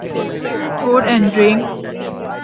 ฟู้ดแอนด์ดริ๊งส์